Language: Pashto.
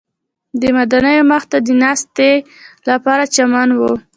د ودانیو مخ ته د ناستې لپاره چمن و.